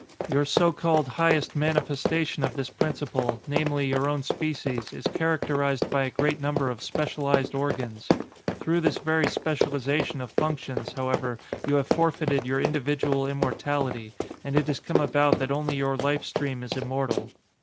Your so called highest manifestation of this principle, namely, your own species, is characterized by a great number of specialized organs. Through this very specialization of functions, however, you have forfeited your individual immortality, and it has come about that only your life stream is immortal.